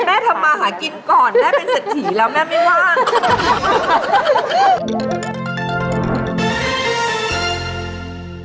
แม่ทำมาหากินก่อนแม่เป็นเศรษฐีแล้วแม่ไม่ว่า